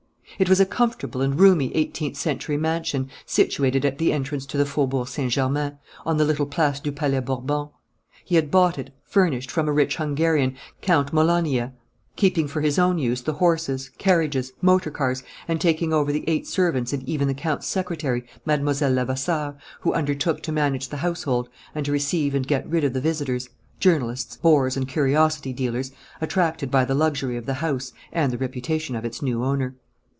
It was a comfortable and roomy eighteenth century mansion, situated at the entrance to the Faubourg Saint Germain, on the little Place du Palais Bourbon. He had bought it, furnished, from a rich Hungarian, Count Malonyi, keeping for his own use the horses, carriages, motor cars, and taking over the eight servants and even the count's secretary, Mlle. Levasseur, who undertook to manage the household and to receive and get rid of the visitors journalists, bores and curiosity dealers attracted by the luxury of the house and the reputation of its new owner.